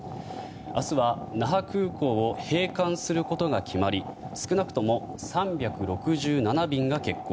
明日は那覇空港を閉館することが決まり少なくとも３６７便が欠航。